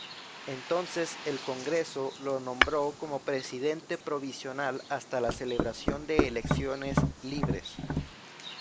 Entonces, el Congreso lo nombró como presidente provisional hasta la celebración de elecciones libres.